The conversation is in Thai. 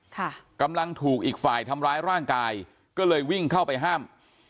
ค่ะกำลังถูกอีกฝ่ายทำร้ายร่างกายก็เลยวิ่งเข้าไปห้าม